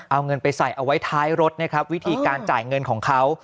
เอาเงินไปใส่เอาไว้ท้ายรถนะครับวิธีการจ่ายเงินของเขา